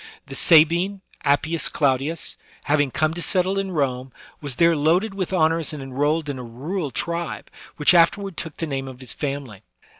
The Sabine, Appius Claudius, having come to settle in Rome, was there loaded with honors and enrolled in a rural tribe, which afterward took the name of his family.